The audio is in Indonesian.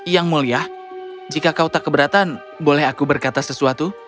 yang mulia jika kau tak keberatan boleh aku berkata sesuatu